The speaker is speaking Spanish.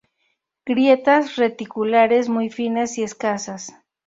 Grietas reticulares muy finas y escasas.